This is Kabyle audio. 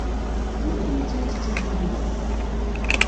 Ula d netta ittett imekli din.